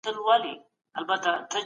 سازمانونو به د رایې ورکولو حق تضمین کوی.